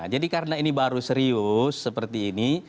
jadi karena ini baru serius seperti ini